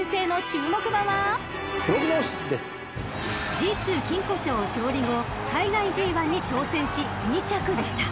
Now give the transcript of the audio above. ［ＧⅡ金鯱賞を勝利後海外ＧⅠに挑戦し２着でした］